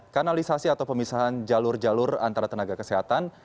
kanalisasi atau pemisahan jalur jalur antara tenaga kesehatan